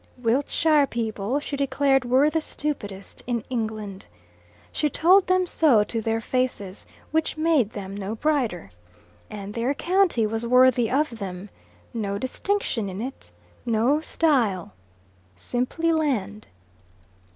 Wiltshire people, she declared, were the stupidest in England. She told them so to their faces, which made them no brighter. And their county was worthy of them: no distinction in it no style simply land.